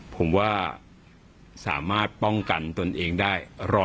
ผมว่าสามารถป้องกันได้เลยนะครับ